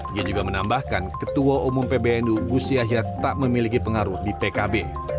dia juga menambahkan ketua umum pbnu gus yahya tak memiliki pengaruh di pkb